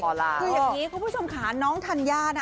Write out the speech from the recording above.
คืออย่างนี้คุณผู้ชมค่ะน้องธัญญาน่ะ